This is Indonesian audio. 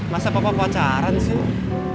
masa papa pacaran sih